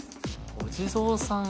お地蔵さん。